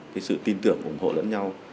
cái sự tin tưởng ủng hộ lẫn nhau